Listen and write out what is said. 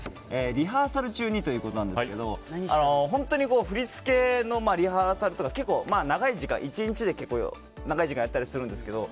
リハーサル中にということですが振り付けのリハーサルとか長い時間１日で長い時間やっていたりするんですけど